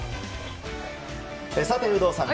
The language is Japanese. さて、有働さん